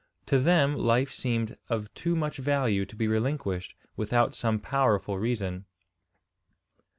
To them life seemed of too much value to be relinquished without some powerful reason.